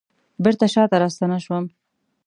بیرته شاته راستنه شوم